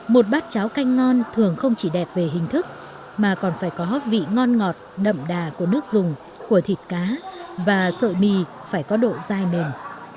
một bát cháo canh ngon thường không chỉ đẹp về hình thức mà còn phải có hấp vị ngon ngọt đậm đà của nước dùng của thịt cá và sợi mì phải có độ dai mềm